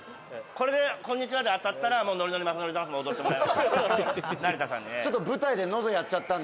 「これで“こんにちは！！”で当たったらのりのりまさのりダンスも踊ってもらいます成田さんにね」